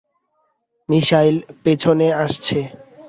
Missile পেছনে আসছে।